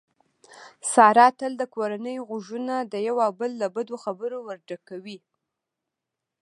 ساره تل د کورنۍ غوږونه د یو او بل له بدو خبرو ورډکوي.